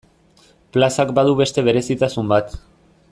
Plazak badu beste berezitasun bat.